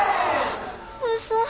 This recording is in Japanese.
嘘。